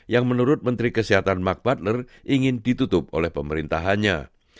yang menurut menteri kesehatan mark partner ingin ditutup oleh pemerintahannya